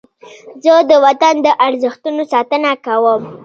زه د وطن د ارزښتونو ساتنه کوم.